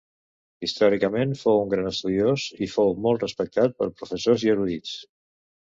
Històricament fou un gran estudiós i fou molt respectat per professors i erudits.